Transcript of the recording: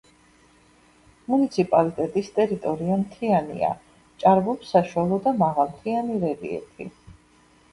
მუნიციპალიტეტის ტერიტორია მთიანია, ჭარბობს საშუალო და მაღალმთიანი რელიეფი.